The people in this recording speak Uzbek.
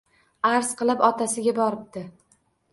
Arz qilib otasiga boribdi.